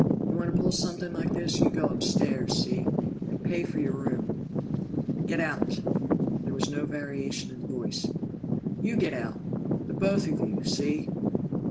You want to pull something like this, you go upstairs, see? And pay for your room." "Get out!" There was no variation in the voice. "You get out! The both of you, see?"